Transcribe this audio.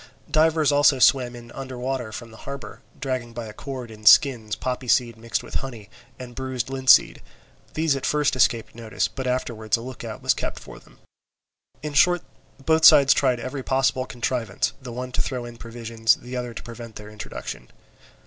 Divers also swam in under water from the harbour, dragging by a cord in skins poppyseed mixed with honey, and bruised linseed; these at first escaped notice, but afterwards a look out was kept for them. In short, both sides tried every possible contrivance, the one to throw in provisions, and the other to prevent their introduction.